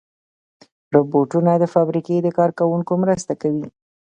روبوټونه د فابریکې د کار کوونکو مرسته کوي.